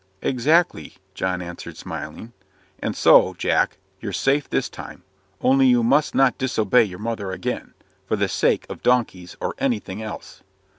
"Exactly," John answered, smiling. "And so, Jack, you're safe this time; only you must not disobey your mother again, for the sake of donkeys or anything else."